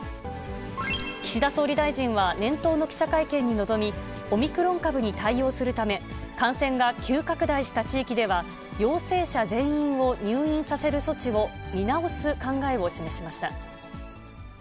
岸田総理大臣は年頭の記者会見に臨み、オミクロン株に対応するため、感染が急拡大した地域では、陽性者全員を入院させる措置を見直す考えを示しました。